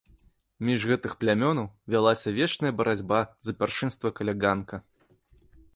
Між гэтых плямёнаў вялася вечная барацьба за пяршынства каля ганка.